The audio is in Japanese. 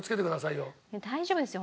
大丈夫ですよ